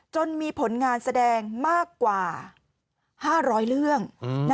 จนมีผลงานแสดงมากกว่า๕๐๐เรื่อง